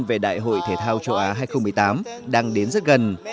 về đại hội thể thao châu á hai nghìn một mươi tám đang đến rất gần